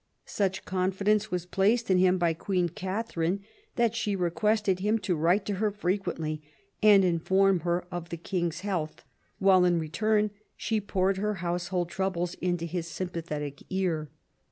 Such confidence was placed in him by Queen Katharine that she requested him to write to her frequently and inform her of the king's health, while in return she poured her household troubles into his sympathetic ear.